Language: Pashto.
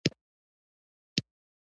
حقایق موضح شول.